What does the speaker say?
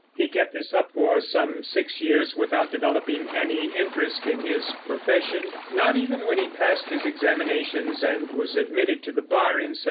He kept this up for some six years without developing any interest in his profession, not even when he passed his examinations and was admitted to the Bar, in 1792.